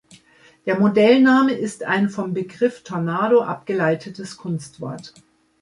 Der Modellname ist ein vom Begriff Tornado abgeleitetes Kunstwort.